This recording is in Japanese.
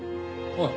おい！